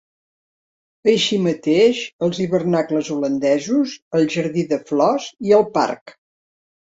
Així mateix els hivernacles holandesos, el jardí de flors i el parc.